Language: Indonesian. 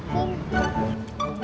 ah aku juga